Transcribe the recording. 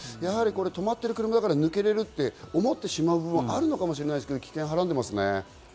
止まってる車だから抜けられると思ってしまう部分があるのかもしれないけれども危険がはらんでますね。